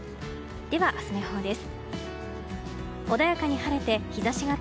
では明日の予報です。